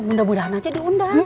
mudah mudahan aja diundang